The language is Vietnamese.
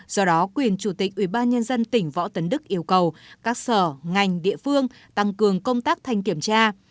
do đó quyền chủ tịch ubnd tỉnh võ tấn đức yêu cầu các sở ngành địa phương tăng cường công tác thành kiểm tra